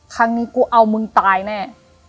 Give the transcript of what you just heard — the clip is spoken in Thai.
ครั้งนี้กูเอามึงตายแน่